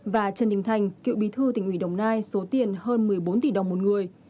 và trần đình thành cựu bí thư tỉnh ủy đồng nai số tiền hơn một mươi bốn tỷ đồng một người